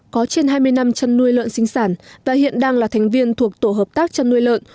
có trên hai mươi năm chăn nuôi lợn sinh sản và hiện đang là thành viên thuộc tổ hợp tác chăn nuôi lợn